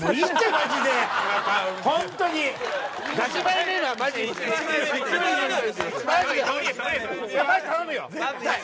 マジで頼むよ。